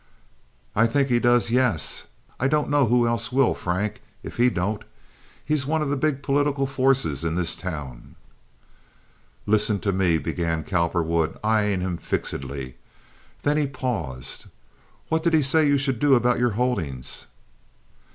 "I think he does, yes. I don't know who else will, Frank, if he don't. He's one of the big political forces in this town." "Listen to me," began Cowperwood, eyeing him fixedly. Then he paused. "What did he say you should do about your holdings?"